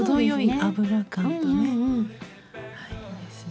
あいいですね。